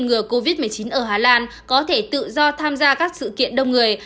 ngừa covid một mươi chín ở hà lan có thể tự do tham gia các sự kiện đông người